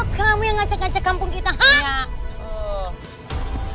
enggak tuh kamu yang ngacek ngacek kampung kita hah